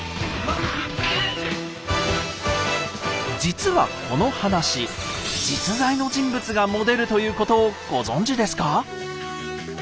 実はこの話実在の人物がモデルということをご存じですか？